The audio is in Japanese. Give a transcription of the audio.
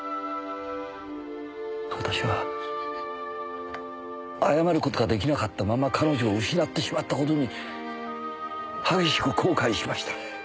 私は謝る事が出来なかったまま彼女を失ってしまった事に激しく後悔しました。